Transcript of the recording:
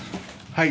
はい。